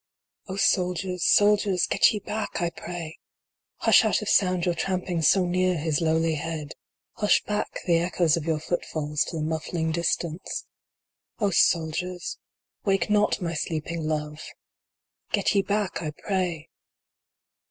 r\ SOLDIERS, soldiers, get ye back, I pray I Hush out of sound your trampings so near his lowly head i Hush back the echoes of your footfalls to the muffing distance ! O soldiers, wake not my sleeping love ! Get ye back, I pray